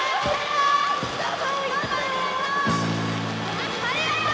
ありがとう！